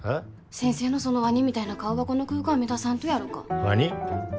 先生のそのワニみたいな顔がこの空間を乱さんとやろか？